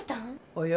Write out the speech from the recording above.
およ